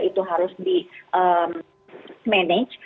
itu harus di manage